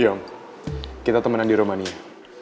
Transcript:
kamu sudah mengenal ulan sebelumnya